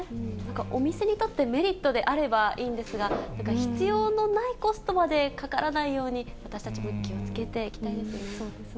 お店にとってメリットであればいいんですが、なんか、必要のないコストまでかからないように、私たちも気をつけていきたいですね。